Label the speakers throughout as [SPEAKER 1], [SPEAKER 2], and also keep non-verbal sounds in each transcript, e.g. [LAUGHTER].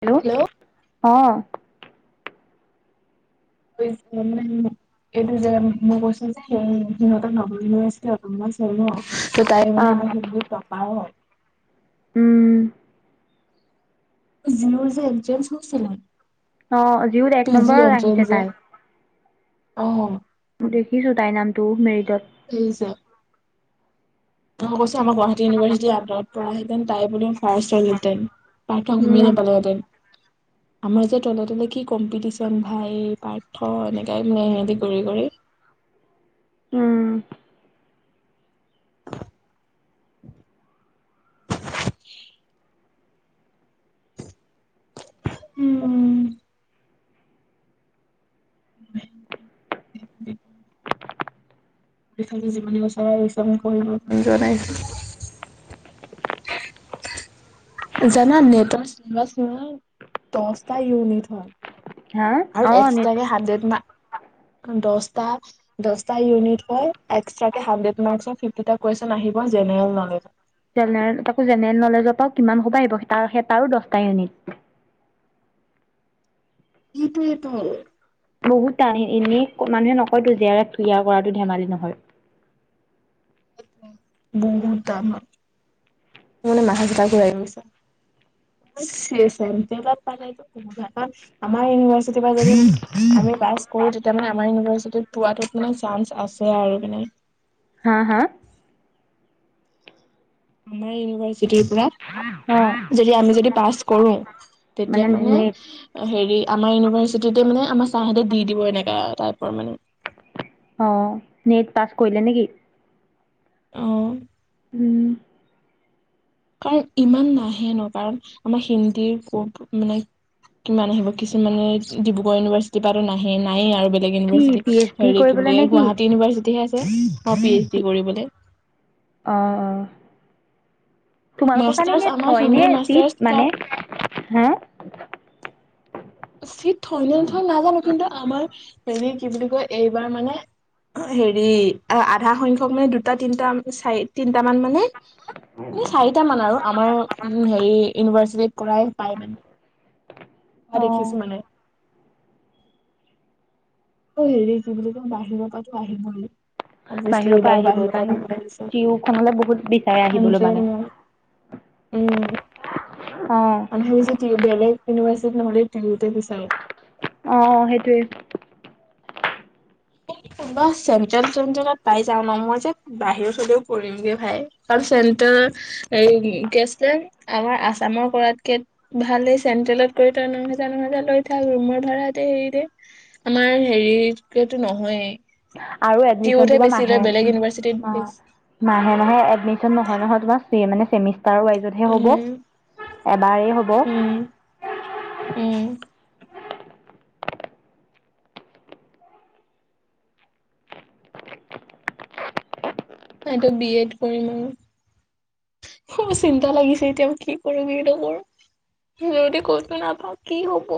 [SPEAKER 1] Hello অঁ।
[SPEAKER 2] মানে এইটো জেগাত মই কৈছো যে সি সিহঁত
[SPEAKER 1] আহ
[SPEAKER 2] নহয়। [UNINTELLIGIBLE]
[SPEAKER 1] উম।
[SPEAKER 2] জিঅ যে এক্সযাম হৈছে নাই।
[SPEAKER 1] অঁ জিউত এক নম্বৰৰত আহিছে
[SPEAKER 2] যে
[SPEAKER 1] তাই।
[SPEAKER 2] অ।
[SPEAKER 1] দেখিছো তাইৰ নামটো মেৰিডত।
[SPEAKER 2] দেখিছ। মই কৈছোঁ আম গুৱাহাটী ইউনিভাৰ্চিটি বুলিও পাচ হলহেঁতেন পাঠ সময়ে
[SPEAKER 1] উম
[SPEAKER 2] নাপালো হয়। আমাৰ যে তল তলে কি কম্পিটিশ্যন ভাই পাৰ্থ এনেকাই মানে হে কৰি কৰি।
[SPEAKER 1] উম।
[SPEAKER 2] [INAUDIBLE] উম উম। ইফালে যিমানে ওচৰ আহিছে মোৰ পঢ়িব মন যোৱা নাই। জান নেট চ দহটা ইউনিট হয়।
[SPEAKER 1] হা
[SPEAKER 2] আৰু
[SPEAKER 1] অ নেট
[SPEAKER 2] এক্সট্ৰাকে হাড্ৰেড মাক্স দহটা। দহটা ইউনিট হয় একস্ৰাকে হাড্ৰেড মাস্কাৰ পিভটিটা কোৱেশ্বন আহিব জেনেৰেল নলেজ।
[SPEAKER 1] জেনেৰেল তাকো জেনেৰেল নলেজৰ পৰা কিমান সোপা আহিব সে তা তাৰো দহটা ইউনিট।
[SPEAKER 2] এইটোয়ে এটো।
[SPEAKER 1] বহুত টান এনেই মানুহে নকয়তো যেয়াৰত কৰাটো ধেমালি নহয়।
[SPEAKER 2] বহুত তান মোৰ মানে মাথা-চাথা ঘূৰাই গৈছে। চে চেম টেজা পালে গৈ। আমাক আমাৰ ইউনিভাৰ্চিটিৰ যদি আমি। পাচ তেতিয়া মানে আমাৰ ইউনিভাৰ্চিটিত পোৱাতোত মানে চান্স আছে আৰু মানে।
[SPEAKER 1] হা হা।
[SPEAKER 2] আমাৰ ইউনিভাৰ্চিটিৰ পৰা।
[SPEAKER 1] অ
[SPEAKER 2] যদি আমি যদি পাছ কৰো তেতিয়া মানে। এ, হেৰি আমাৰ ইউনিভাৰ্চিটিতে মানে, আমাৰ চাৰহঁতে দি দিব এনেকা টাইপৰ মানে।
[SPEAKER 1] অ'নেট পাছ কৰিলে নেকি?
[SPEAKER 2] অ'।
[SPEAKER 1] উম।
[SPEAKER 2] কাৰণ ইমান নাহে ন? কাৰণ আমাৰ হিন্দীৰ ক'ত মানে কিমান আহিব? কিছুমানে ডিব্ৰুগড় ইউনিভাৰ্চিটিৰ পৰাটো নাহে, নায়েই আৰু বেলেগ। বেলেগ
[SPEAKER 1] কি
[SPEAKER 2] ইউনিভাৰ্চিটি,
[SPEAKER 1] পি এইচ ডি
[SPEAKER 2] হেৰি কি
[SPEAKER 1] কৰিবলে
[SPEAKER 2] বুলি
[SPEAKER 1] নে
[SPEAKER 2] কয়, গুৱাহাটী ইউনিভাৰ্চিটি হে আছে। অ, পি এইচ ডি কৰিবলে।
[SPEAKER 1] অ, অ। তোমালোকৰ কাৰণে
[SPEAKER 2] মাষ্টাৰ্চ
[SPEAKER 1] ইনেই
[SPEAKER 2] আমাৰ
[SPEAKER 1] থয়
[SPEAKER 2] হিন্দী
[SPEAKER 1] নে,
[SPEAKER 2] মাষ্টাৰ্চ
[SPEAKER 1] চিট মানে? হা?
[SPEAKER 2] চিট থয় নে নথয় নাজানো? কিন্তু আমাৰ হেৰি, কি বুলি কয় এইবাৰ মানে অ হেৰি, আ-আধা সংখ্যক মানে দুটা, তিনিটা, চাৰি, তিনিটামান মানে এ
[SPEAKER 1] উম।
[SPEAKER 2] চাৰিটা মান আৰু, আমাৰ ইউ হেৰি, ইউনিভাৰ্চিটিত কৰাই পায় মানে। পোৱা দেখিছো
[SPEAKER 1] অ',
[SPEAKER 2] মানে। অ' হেৰি কি বুলি কয়, বাহিৰৰ পৰাতো আহিবই। অবয়াচলি,
[SPEAKER 1] বাহিৰৰ পৰা
[SPEAKER 2] এইবাৰো
[SPEAKER 1] আহিবই
[SPEAKER 2] বাহিৰৰ পৰা
[SPEAKER 1] কাৰণ
[SPEAKER 2] বহুত আহিছে।
[SPEAKER 1] টিউখনলৈ বহুত বিচাৰে আহিবলৈ
[SPEAKER 2] চেন্ট্ৰেল
[SPEAKER 1] মানে।
[SPEAKER 2] ন। উম।
[SPEAKER 1] অ'।
[SPEAKER 2] হেৰী যে, টিউ বেলেগ ইউনিভাৰ্চিটিত নহ'লেও টিউতে বিচাৰোঁ।
[SPEAKER 1] অ', সেইটোয়ে।
[SPEAKER 2] এই, কোনোবা চেন্ট্ৰেল-তেন্তেলত পাই যাওঁ ন? মই যে বাহিৰত হ'লেও কৰিমগে ভাই, কাৰণ, চেণ্টেল এই, কি আছিলে? আমাৰ আছামৰ কৰাতকে ভালেই, চেন্ট্ৰেলত কৰি তই ন হেজাৰ, ন হেজাৰ লৈ থাক। ৰুমৰ ভাড়া দে, হেৰি দে। আমাৰ হেৰি কি এইটো, নহয়েই।
[SPEAKER 1] আৰু এডমিশ্যনটো বাৰু মাহে,
[SPEAKER 2] ইউনিভাৰ্চিটিত
[SPEAKER 1] অ'।
[SPEAKER 2] বেছি
[SPEAKER 1] মাহে, মাহে এডমিশ্যচন নহয়, নহয়, তোমাৰ, চে মানে চেমিষ্টাৰ ষ্টাৰ ওৱাইজতহে হ'ব,
[SPEAKER 2] উম
[SPEAKER 1] এবাৰেই হ'ব।
[SPEAKER 2] উম উম। টাইটো বি এড কৰিম আৰু খুব চিন্তা লাগিছে এতিয়া, মই কি কৰোঁ, কি নকৰোঁ। যদি ক'তো নাপাওঁ, কি হ'ব?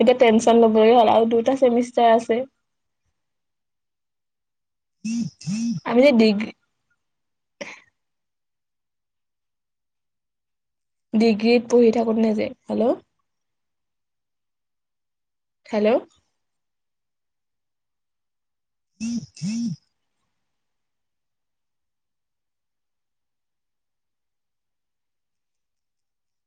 [SPEAKER 2] এতিয়া টেনচন ল'ব নালাগে হ'ল, আৰু দুটা চেমিষ্টাৰ আছেই। আমি যে ডিগ্ৰী ডিগ্ৰীত পঢ়ি থাকোঁতে নে যে? হেল্ল'। হেল্ল'। [INAUDIBLE]